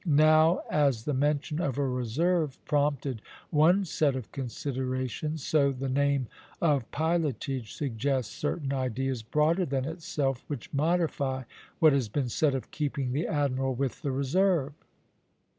Now as the mention of a reserve prompted one set of considerations, so the name of pilotage suggests certain ideas, broader than itself, which modify what has been said of keeping the admiral with the reserve.